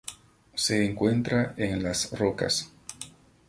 Se encuentra en las rocas.